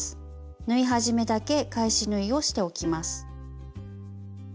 縫い始めだけ返し縫いをしておきます。